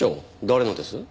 誰のです？